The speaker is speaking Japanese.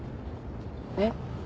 えっ？